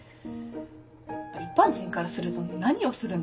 一般人からすると何をするんだ。